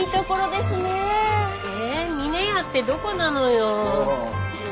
で峰屋ってどこなのよ？